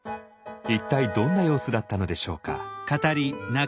一体どんな様子だったのでしょうか。